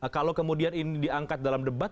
kalau kemudian ini diangkat dalam debat